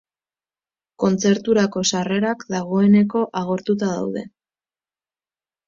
Kontzerturako sarrerak dagoeneko agortuta daude.